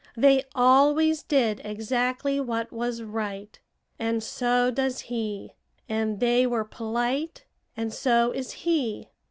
They always did exactly what was right, and so does he; and they were polite and so is he."